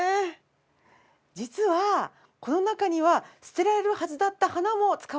実はこの中には捨てられるはずだった花も使われているんです。